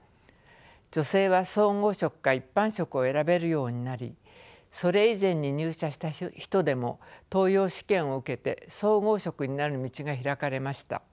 女性は総合職か一般職を選べるようになりそれ以前に入社した人でも登用試験を受けて総合職になる道が開かれました。